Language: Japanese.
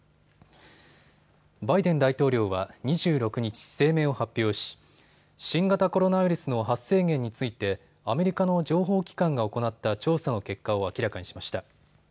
バイデン大統領は２６日、声明を発表し新型コロナウイルスの発生源についてアメリカの情報機関が行った調査の結果を明らかにしました。